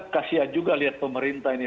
kasian juga lihat pemerintah ini